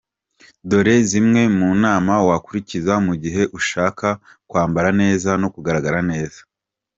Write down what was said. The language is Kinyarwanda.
Dore zimwe mu nama wakurikiza mu gihe ushaka kwambara neza no kugaragara neza:.